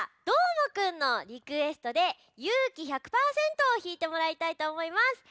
どーもくんのリクエストで「勇気１００％」をひいてもらいたいとおもいます。